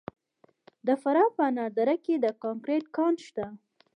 د فراه په انار دره کې د ګرانیټ کان شته.